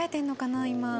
今。